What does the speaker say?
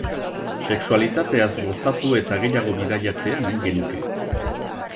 Sexualitateaz gozatu eta gehiago bidaiatzea nahi genuke.